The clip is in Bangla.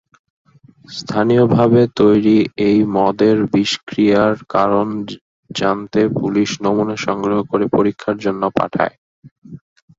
স্থানীয়ভাবে তৈরি এই মদের বিষক্রিয়ার কারণ জানতে পুলিশ নমুনা সংগ্রহ করে পরীক্ষার জন্য পাঠায়।